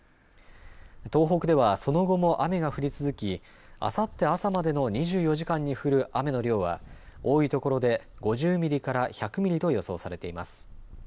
東北ではその後も雨が降り続きあさって朝までの２４時間に降る雨の量は多いところで５０ミリから１００ミリと予想されています。